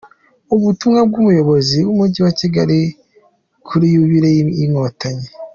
Ubutumwa bw’umuyobozi w’Umujyi wa Kigali kuri Yubile y’Inkotanyi